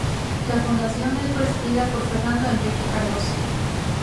La fundación es presidida por Fernando Henrique Cardoso.